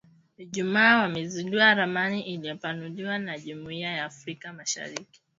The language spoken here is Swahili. Ijumaa wamezindua ramani iliyopanuliwa ya Jumuiya ya Afrika Mashariki